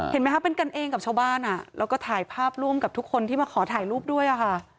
เห็นไหมคะเป็นกันเองกับชาวบ้านแล้วก็ถ่ายภาพร่วมกับทุกคนที่มาขอถ่ายรูปด้วยค่ะ